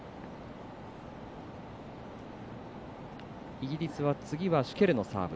イギリスは次はシュケルのサーブ。